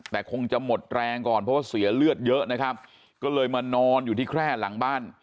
แต่คงจะหมดแรงก่อนเพราะว่าเสียเลือดเยอะนะครับก็เลยมานอนอยู่ที่แคร่หลังบ้าน